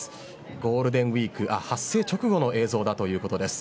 ゴールデンウイーク発生直後の映像だということです。